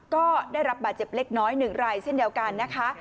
ก็ได้รับบาดเจ็บเล็กน้อย๑รายเช่นเดียวกันนะคะ